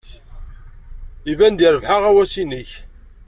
Iban ad yerbeḥ uɣawas-nnek.